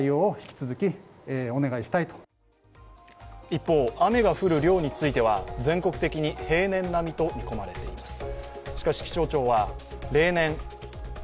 一方、雨が降る量については、全国的に平年並みと見込まれています。